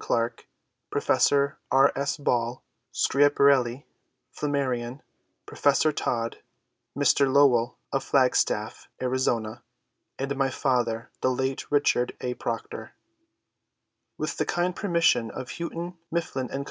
Clerke, Professor R. S. Ball, Schiaparelli, Flammarion, Professor Todd, Mr. Lowell of Flagstaff, Ariz., and my father, the late Richard A. Proctor. With the kind permission of Houghton, Mifflin & Co.